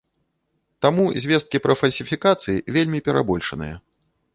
Таму звесткі пра фальсіфікацыі вельмі перабольшаныя.